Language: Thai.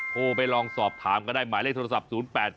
โทรไปลองสอบถามก็ได้หมายเลขโทรศัพท์๐๘๗